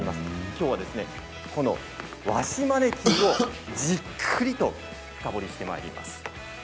きょうは和紙マネキンをじっくりと深掘りしてまいります。